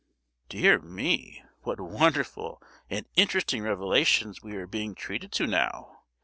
"Dear me, what wonderful and interesting revelations we are being treated to now!"